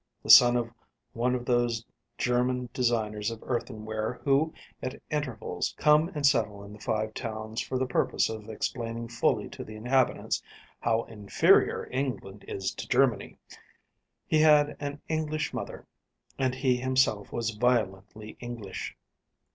The son of one of those German designers of earthenware who at intervals come and settle in the Five Towns for the purpose of explaining fully to the inhabitants how inferior England is to Germany, he had an English mother, and he himself was violently English.